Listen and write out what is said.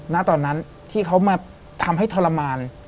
ณตอนนั้นที่เขามาทำให้ทรมาน